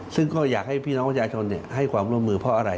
ซึ่งก็อยากให้พี่น้องประชาชนให้ความร่วมมือเพราะอะไร